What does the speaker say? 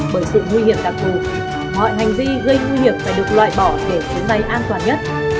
bởi sự nguy hiểm đặc thù mọi hành vi gây nguy hiểm phải được loại bỏ để chuyến bay an toàn nhất